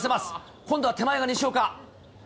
今度は手前が西岡。